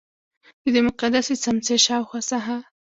ددې مقدسې څمڅې شاوخوا ساحه.